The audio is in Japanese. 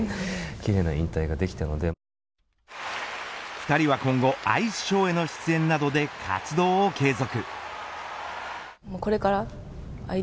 ２人は今後アイスショーへの出演などで活動を継続。